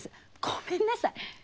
ごめんなさい。